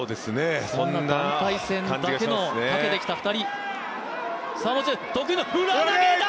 そんな団体戦だけにかけてきた２人裏投げだ！